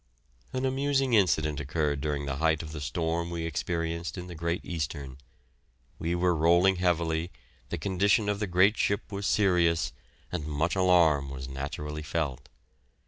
An amusing incident occurred during the height of the storm we experienced in the "Great Eastern." We were rolling heavily, the condition of the great ship was serious and much alarm was naturally felt.